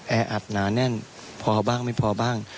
แออัดหนาแน่นพอบ้างไม่พอบ้าง